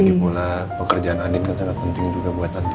lagipula pekerjaan andin kan sangat penting juga buat andin